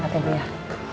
akan aku biar